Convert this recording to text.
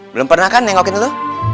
belum pernah kan yang ngawakin lo